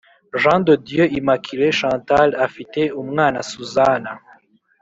Jean de Dieu Immaculee Chantal afite umwana Suzana